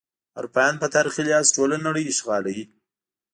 اروپایان په تاریخي لحاظ ټوله نړۍ اشغالوي.